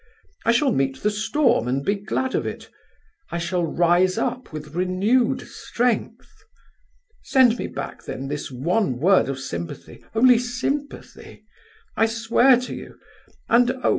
I shall meet the storm and be glad of it; I shall rise up with renewed strength. "Send me back then this one word of sympathy, only sympathy, I swear to you; and oh!